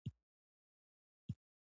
مصنوعي مخکشونه د کاغذ له جنس څخه جوړ شوي دي.